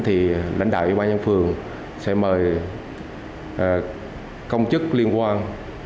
thì lãnh đạo ủy ban nhân phường sẽ mời công chức liên quan